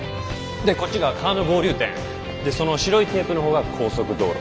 でこっちが川の合流点。でその白いテープの方が高速道路。